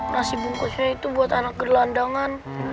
nasi bungkusnya itu buat anak gelandangan